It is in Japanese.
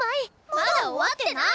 まだ終わってない！